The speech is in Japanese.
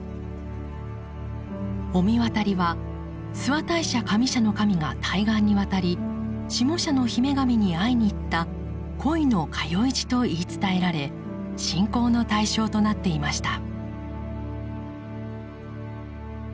御神渡りは諏訪大社上社の神が対岸に渡り下社の姫神に会いに行った恋の通い路と言い伝えられ信仰の対象となっていました。